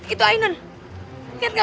yaudah deh hubungan